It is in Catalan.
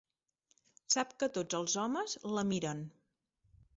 Sap que tots els homes la miren.